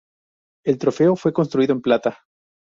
El trofeo fue construido en plata.